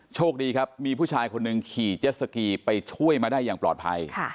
โชคดีครับมีผู้ชายคนหนึ่งขี่เจ็ดสกีไปช่วยมาได้อย่างปลอดภัย